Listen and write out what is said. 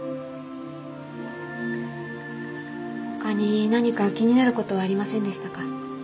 ほかに何か気になることはありませんでしたか？